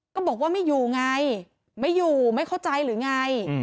ก็บอกว่าไม่อยู่ไงไม่อยู่ไม่เข้าใจหรือไง